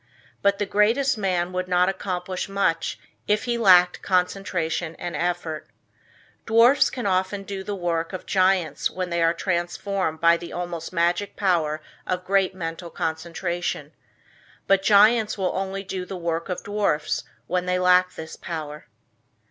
But the greatest man would not accomplish much if he lacked concentration and effort. Dwarfs can often do the work of giants when they are transformed by the almost magic power of great mental concentration. But giants will only do the work of dwarfs when they lack this power.